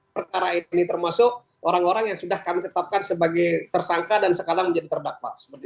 perkara ini termasuk orang orang yang sudah kami tetapkan sebagai tersangka dan sekarang menjadi terdakwa